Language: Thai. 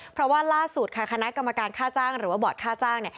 เพราะว่าล่าสุดค่ะคณะกรรมการค่าจ้างหรือว่าบอร์ดค่าจ้าง